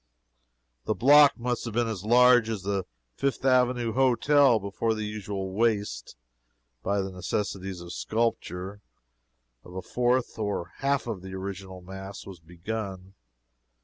The block must have been as large as the Fifth Avenue Hotel before the usual waste (by the necessities of sculpture) of a fourth or a half of the original mass was begun.